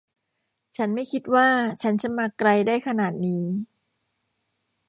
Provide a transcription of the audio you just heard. ฉันไม่คิดว่าฉันจะมาไกลได้ขนาดนี้